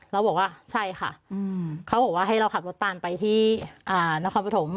เราบอกว่าใช่ค่ะเขาบอกว่าให้เราขับรถตามไปที่นครปฐม